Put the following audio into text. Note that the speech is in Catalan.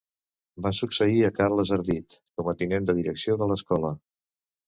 Va succeir a Carles Ardit com a tinent de direcció de l'escola.